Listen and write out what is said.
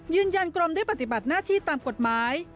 กรมได้ปฏิบัติหน้าที่ตามกฎหมาย